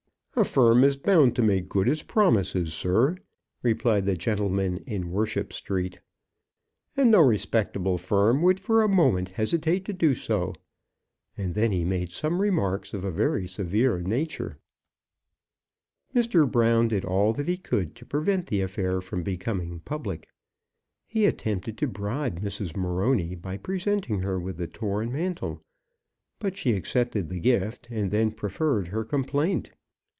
"A firm is bound to make good its promises, sir," replied the gentleman in Worship Street. "And no respectable firm would for a moment hesitate to do so." And then he made some remarks of a very severe nature. Mr. Brown did all that he could to prevent the affair from becoming public. He attempted to bribe Mrs. Morony by presenting her with the torn mantle; but she accepted the gift, and then preferred her complaint.